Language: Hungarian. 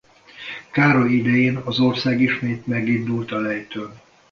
Károly idején az ország ismét megindult a lejtőn.